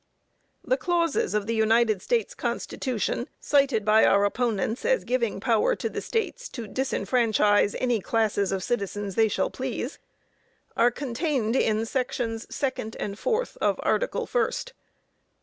The clauses of the United States Constitution, cited by our opponents as giving power to the States to disfranchise any classes of citizens they shall please, are contained in sections 2d and 4th of article 1st.